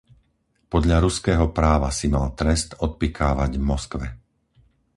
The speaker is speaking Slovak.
Podľa ruského práva si mal trest odpykávať v Moskve.